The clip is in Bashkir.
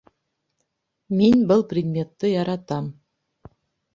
Мин был предметты яратам